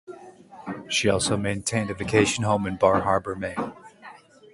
She also maintained a vacation home in Bar Harbor, Maine.